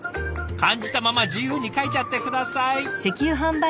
感じたまま自由に描いちゃって下さい。